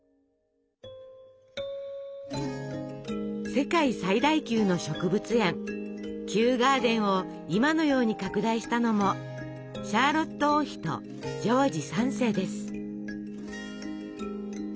世界最大級の植物園「キューガーデン」を今のように拡大したのもシャーロット王妃とジョージ３世です。